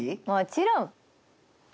もちろん！